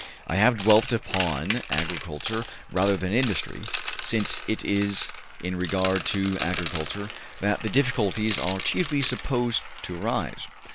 I have dwelt upon agriculture rather than industry, since it is in regard to agriculture that the difficulties are chiefly supposed to arise.